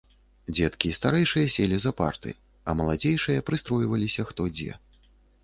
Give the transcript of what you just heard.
Дзеткі і старэйшыя селі за парты, а маладзейшыя прыстройваліся хто дзе.